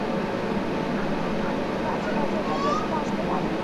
আমি কী মাঝে মাঝে এটা দেখতে আসতে পারি?